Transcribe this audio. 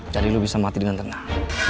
jadi lo bisa mati dengan tenang